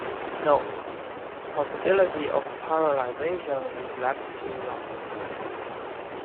Note: Possibility of paralyzation if left too long.